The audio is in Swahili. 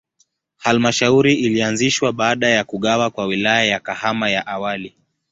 Halmashauri ilianzishwa baada ya kugawa kwa Wilaya ya Kahama ya awali.